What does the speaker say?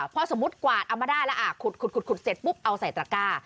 พอสมมุติกวาดเอามาได้แล้วขุดเสร็จปุ๊บเอาใส่ตระก้า